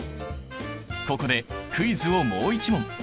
ここでクイズをもう一問。